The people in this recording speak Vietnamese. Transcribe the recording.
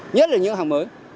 nhất là những hàng mới